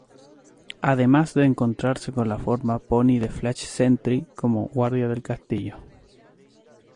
Además de encontrarse con la forma pony de Flash Sentry como guardia del castillo.